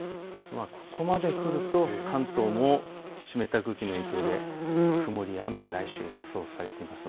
ここまで来ると関東も湿った空気の影響で曇りや雨が来週予想されています。